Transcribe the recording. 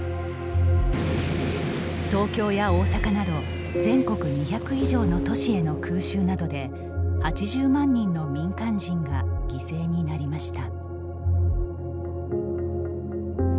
東京や大阪など全国２００以上の都市への空襲などで８０万人の民間人が犠牲になりました。